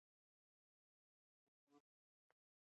په جوماتونو کې عبادت وکړئ.